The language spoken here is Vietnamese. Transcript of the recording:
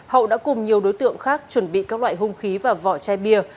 hậu đã cùng nhiều đối tượng khác chuẩn bị các loại hung khí và vỏ chai bia